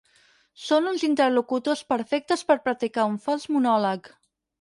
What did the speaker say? Són uns interlocutors perfectes per practicar un fals monòleg.